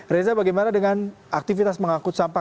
reza bagaimana dengan aktivitas mengangkut sampah